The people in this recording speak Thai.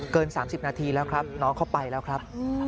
๓๐นาทีแล้วครับน้องเข้าไปแล้วครับ